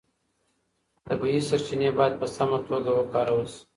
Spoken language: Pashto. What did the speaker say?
طبیعي سرچینې باید په سمه توګه وکارول شي.